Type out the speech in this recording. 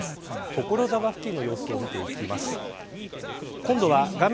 所沢付近の様子を見ていきます。